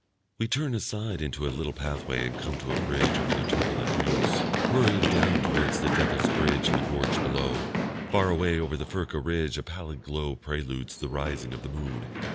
We turn aside into a little pathway and come to a bridge over the turbulent Reuss, hurrying down towards the Devil's Bridge in the gorge below. Far away over the Furka ridge a pallid glow preludes the rising of the moon.